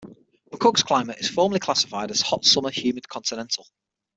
McCook's climate is formally classified as hot-summer humid continental.